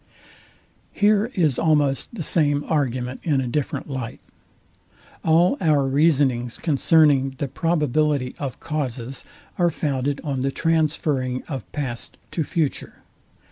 Here is almost the same argument in a different light. All our reasonings concerning the probability of causes are founded on the transferring of past to future.